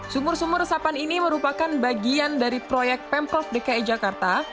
sumur sumur resapan ini merupakan bagian dari proyek pemprov dki jakarta